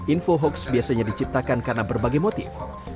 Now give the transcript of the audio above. info hoax biasanya diciptakan karena berbagai motif